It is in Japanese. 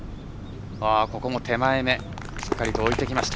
ここも手前めしっかりと置いてきました。